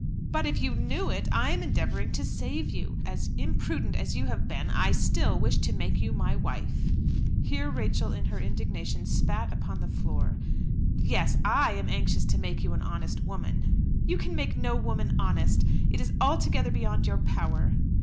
"But if you knew it, I am endeavouring to save you. Imprudent as you have been I still wish to make you my wife." Here Rachel in her indignation spat upon the floor. "Yes; I am anxious to make you an honest woman." "You can make no woman honest. It is altogether beyond your power."